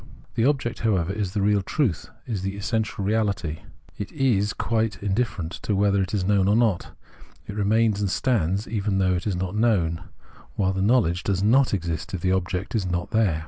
The object, however, is the real truth, is the essential reahty ; it is, quite indifferent to whether it is known or not ; it remains and stands even though it is not known, while the knowledge does not exist if the object is not there.